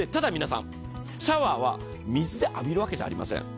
シャワーは水で浴びるわけじゃありません。